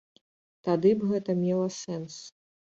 Тады б гэта мела сэнс.